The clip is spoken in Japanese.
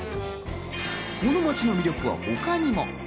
この街の魅力は他にも。